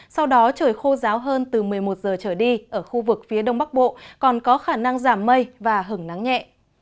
sau đó trời khô ráo hơn từ một mươi một giờ trở đi ở khu vực phía đông bắc bộ còn có khả năng giảm mây và hứng nắng nhẹ